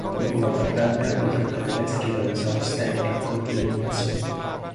Dopo la battaglia, le truppe tedesche erano esauste ed a corto di munizioni.